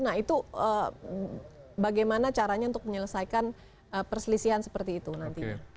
nah itu bagaimana caranya untuk menyelesaikan perselisihan seperti itu nantinya